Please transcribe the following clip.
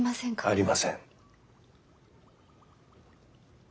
ありません。